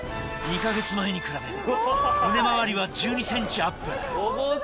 ２か月前に比べ胸回りは１２ｃｍアップ